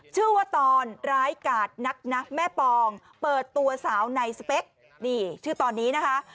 ชื่อว่าตอนร้ายกาดนักนะแม่ปองเปิดตัวสาวในสเปคนี่ชื่อตอนนี้นะคะ